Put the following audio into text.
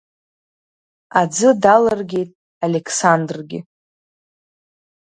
Аӡы далыргеит Алеқсандргьы.